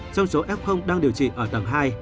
trong số f đang điều trị ở tầng hai